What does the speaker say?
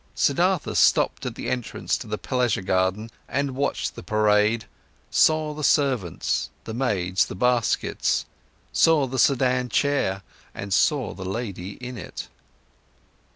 Siddhartha stopped at the entrance to the pleasure garden and watched the parade, saw the servants, the maids, the baskets, saw the sedan chair and saw the lady in it.